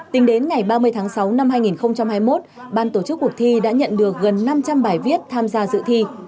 tính đến ngày ba mươi tháng sáu năm hai nghìn hai mươi một ban tổ chức cuộc thi đã nhận được gần năm trăm linh bài viết tham gia dự thi